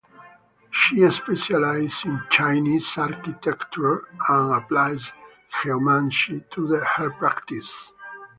She specializes in Chinese architecture and applies geomancy to her practice.